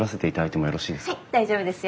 はい大丈夫ですよ。